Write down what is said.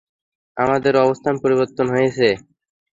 আমাদের অবস্থান পরিবর্তন হয়েছে!